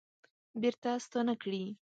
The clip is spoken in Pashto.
بیرته ستانه کړي